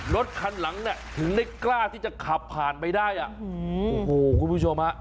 รถคันหลังเนี่ยถึงได้กล้าที่จะขับผ่านไปได้อ่ะโอ้โหคุณผู้ชมฮะ